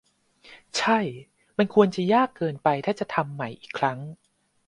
ใช่ มันควรจะยากเกินไปถ้าจะทำใหม่อีกครั้ง